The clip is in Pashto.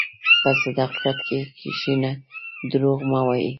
په صداقت کښېنه، دروغ مه وایې.